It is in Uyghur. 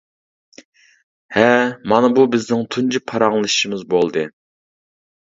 -ھە. مانا بۇ بىزنىڭ تۇنجى پاراڭلىشىشىمىز بولدى.